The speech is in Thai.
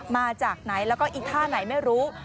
มาจากไหนแล้วก็อีท่าไหนไม่รู้